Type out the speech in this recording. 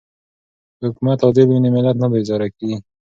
که حکومت عادل وي نو ملت نه بیزاره کیږي.